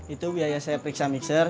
itu biaya saya periksa mixer